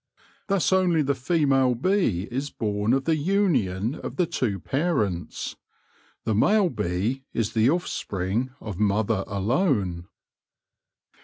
Thus only the female bee is born of the union of the two parents ; the male bee is the offspring of mother alone.